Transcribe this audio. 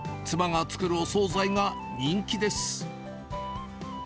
妻が作るお総菜が人気です。